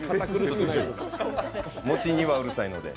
餅にはうるさいので。